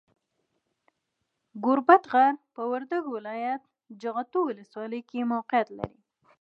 ګوربت غر، په وردګو ولایت، جغتو ولسوالۍ کې موقیعت لري.